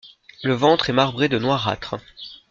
Le ventre est marbré de noirâtre.